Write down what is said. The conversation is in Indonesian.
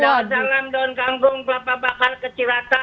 waalaikumsalam daun kampung bapak bakar kecilata